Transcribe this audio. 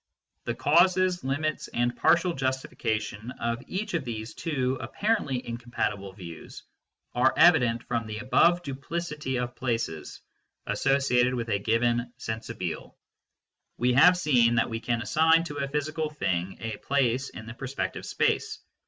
The causes, limits and partial justification of each of these two apparently incompatible views are evident from the above duplicity of places associated with a given " sensibile." We have seen that we can assign to a physical thing a place in the perspective space.